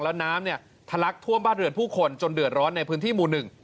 แล้วน้ำเนี่ยทะลักท่วมบ้านเรือนผู้คนจนเดือดร้อนในพื้นที่หมู่หนึ่ง